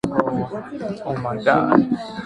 你今晚要赴的是什麼約